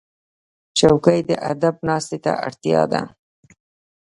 چوکۍ د ادب ناستې ته اړتیا ده.